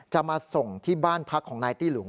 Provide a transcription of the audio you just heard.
จะมาส่งที่บ้านพักของนายตี้หุง